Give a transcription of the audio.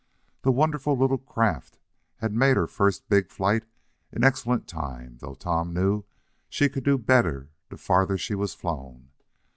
The wonderful little craft had made her first big flight in excellent time, though Tom knew she could do better the farther she was flown.